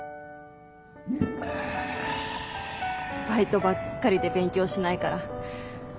バイトばっかりで勉強しないから。